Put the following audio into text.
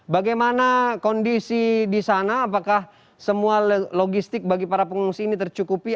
bagaimana kondisi di sana apakah semua logistik bagi para pengungsi ini tercukupi